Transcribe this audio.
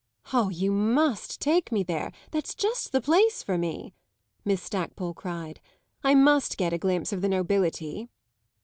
"Ah, you must take me there that's just the place for me!" Miss Stackpole cried. "I must get a glimpse of the nobility."